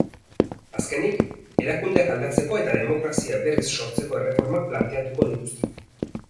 Azkenik, erakundeak aldatzeko eta demokrazia berriz sortzeko erreformak planteatuko dituzte.